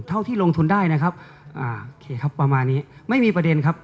เท่าที่ลงทุนได้นะครับอ่าโอเคครับประมาณนี้ไม่มีประเด็นครับ